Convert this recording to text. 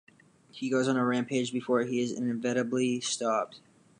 He goes on a rampage before he is inevitably stopped.